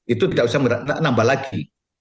itu tidak usah nambah lagi